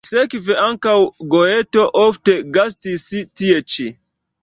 Sekve ankaŭ Goeto ofte gastis tie ĉi.